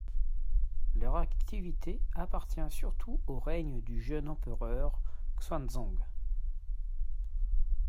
Leur activité appartient surtout au règne du jeune empereur Xuanzong.